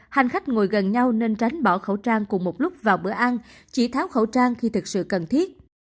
hành khách ngồi gần nhau nên tránh bỏ khẩu trang cùng một lúc vào bữa ăn chỉ tháo khẩu trang khi thực sự cần thiết